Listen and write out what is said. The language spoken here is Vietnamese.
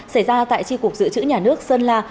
xảy ra tại tri cục dự trữ nhà nước sơn la